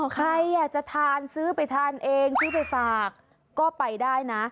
ใครอยากจะทานซื้อไปทานเองซื้อไปฝากก็ไปได้นะ